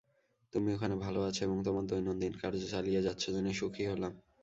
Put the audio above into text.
তুমি ওখানে ভাল আছ এবং তোমার দৈনন্দিন কার্য চালিয়ে যাচ্ছ জেনে সুখী হলাম।